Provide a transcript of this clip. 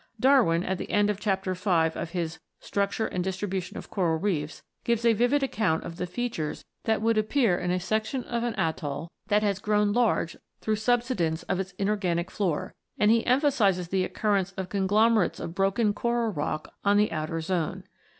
Darwin, at the end of Chapter V of his "Structure and distribu tion of Coral Reefs," gives a vivid account of the features that would appear in a section of an atoll n] THE LIMESTONES 27 that has grown large through subsidence of its inorganic floor, and he emphasises the occurrence of conglomerates of broken coral rock on the outer zone.